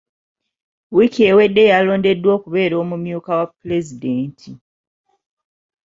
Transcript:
Wiiki ewedde yalondeddwa okubeera omumyuka wa Pulezidenti.